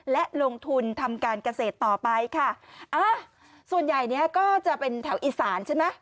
และลงทุนทำการเกษตรต่อไปค่ะอ่าส่วนใหญ่เนี้ยก็จะเป็นแถวอีสานใช่ไหม